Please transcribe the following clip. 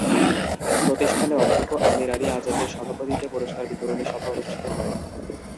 প্রতিষ্ঠানে অধ্যক্ষ আমির আলী আজাদের সভাপতিত্বে পুরস্কার বিতরণী সভা অনুষ্ঠিত হয়।